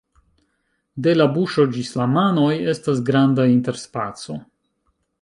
De la buŝo ĝis la manoj estas granda interspaco.